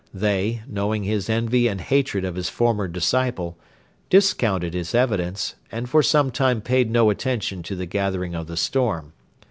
They, knowing his envy and hatred of his former disciple, discounted his evidence and for some time paid no attention to the gathering of the storm.